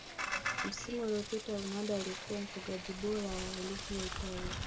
msimu uliyopita ronaldo alikuwa mfungaji bora wa ligi ya Italia